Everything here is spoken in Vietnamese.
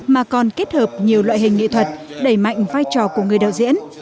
mà còn kết hợp nhiều loại hình nghị thuật đẩy mạnh vai trò của người đạo diễn